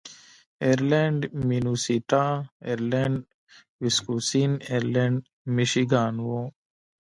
ایرلنډ مینیسوټا، ایرلنډ ویسکوسین، ایرلنډ میشیګان و.